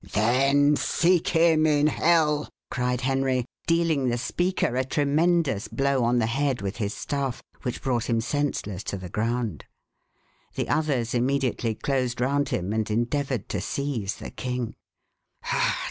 "Then seek him in hell!" cried Henry, dealing the speaker a tremendous blow on the head with his staff, which brought him senseless to the ground. The others immediately closed round him, and endeavoured to seize the king.